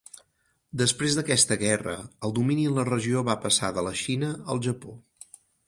Després d'aquesta guerra, el domini en la regió va passar de la Xina al Japó.